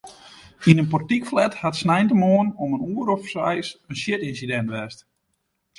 Yn in portykflat hat sneintemoarn om in oere of seis in sjitynsidint west.